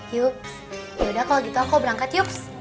yups yaudah kalau gitu aku berangkat yups